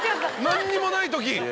何にもないとき。